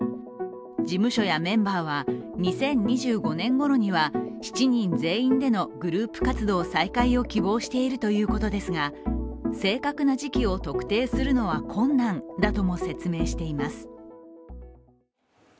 事務所やメンバーは、２０２５年ごろには７人全員でのグループ活動再開を希望しているということですが、正確な時期を特定するのは困難だとも説明しています。